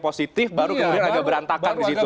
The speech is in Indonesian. positif baru kemudian agak berantakan di situ